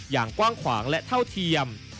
อย่างกว้างขวางและเท่าเทียม